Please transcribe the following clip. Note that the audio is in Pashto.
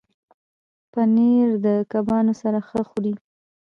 پنېر د کبابو سره ښه خوري.